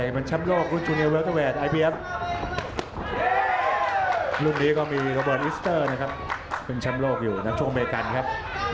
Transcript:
เป็นแชมป์โลกอยู่ทางด้านอันดับชุมบริกันครับ